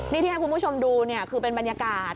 นี่ที่ให้คุณผู้ชมดูเนี่ยคือเป็นบรรยากาศ